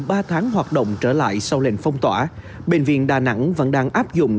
trong ba tháng hoạt động trở lại sau lệnh phong tỏa bệnh viện đà nẵng vẫn đang áp dụng